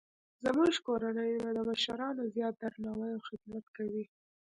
زموږ کورنۍ د مشرانو زیات درناوی او خدمت کوي